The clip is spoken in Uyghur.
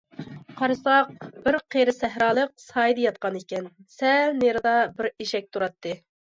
قارىساق، بىر قېرى سەھرالىق سايىدە ياتقانىكەن، سەل نېرىدا بىر ئېشەك تۇراتتى.